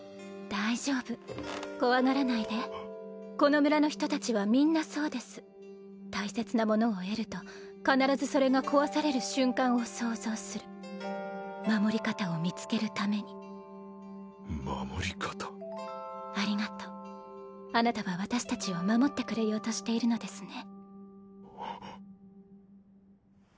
大丈夫怖がらないでこの村の人達はみんなそうです大切なものを得ると必ずそれが壊される瞬間を想像する守り方を見つけるために守り方ありがとうあなたは私達を守ってくれようとしているのですね